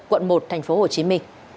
quận một tp hcm